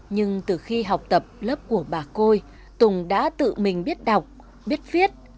nhưng từ khi học tập lớp của bà côi tùng đã tự mình biết đọc biết viết